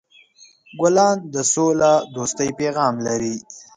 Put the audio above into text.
ګلان د سولهدوستۍ پیغام لري.